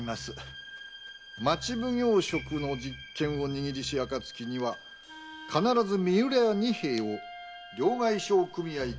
「町奉行職の実権を握りし暁には必ず三浦屋仁兵衛を両替商組合肝煎に推挙するものなり。